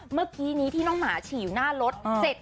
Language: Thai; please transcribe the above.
เมื่อกี้นี้ที่น้องหมาฉี่อยู่หน้ารถ